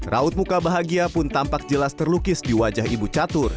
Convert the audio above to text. raut muka bahagia pun tampak jelas terlukis di wajah ibu catur